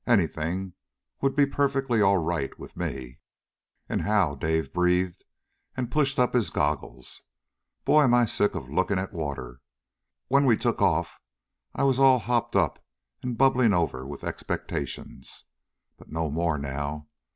Anything would be perfectly all right with me." "And how!" Dave breathed, and pushed up his goggles. "Boy! Am I sick of looking at water. When we took off I was all hopped up and bubbling over with expectations. But no more now.